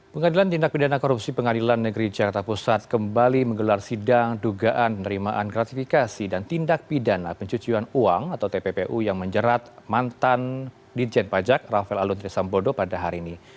pengadilan tindak pidana korupsi pengadilan negeri jakarta pusat kembali menggelar sidang dugaan penerimaan gratifikasi dan tindak pidana pencucian uang atau tppu yang menjerat mantan dijen pajak rafael alun trisambodo pada hari ini